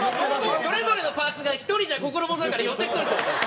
それぞれのパーツが１人じゃ心細いから寄っていくんですよね。